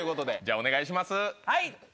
お願いします。